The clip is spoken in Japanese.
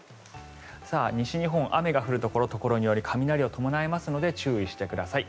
西日本、雨が降るところところにより雷を伴いますので注意してください。